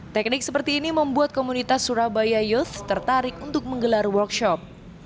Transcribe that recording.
teknik seperti ini membuat komunitas surabaya youth tertarik untuk menggelar workshop